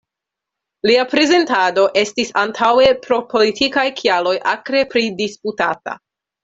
Lia prezentado estis antaŭe pro politikaj kialoj akre pridisputata.